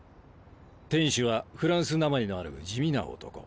店主はフランスなまりのある地味な男。